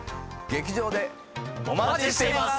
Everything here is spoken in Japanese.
劇場でお待ちしています！